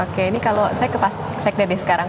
oke ini kalau saya ke pak sekda deh sekarang